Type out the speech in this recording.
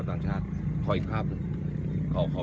ก็ไม่รักก็ไม่รัก